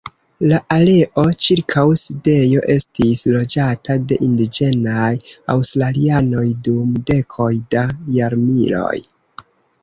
La areo ĉirkaŭ Sidnejo estis loĝata de indiĝenaj aŭstralianoj dum dekoj da jarmiloj.